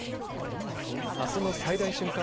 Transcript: あすの最大瞬間